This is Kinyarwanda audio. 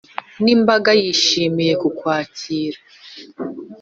N'imbaga yishimiye kukwakira